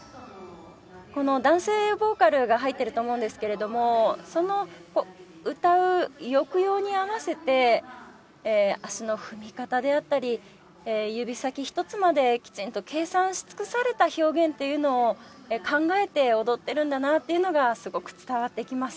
この男性ボーカルが入ってると思うんですけれどもその歌う抑揚に合わせて足の踏み方であったり指先一つまできちんと計算し尽くされた表現っていうのを考えて踊っているんだなっていうのがすごく伝わってきます。